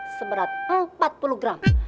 seberat empat puluh gram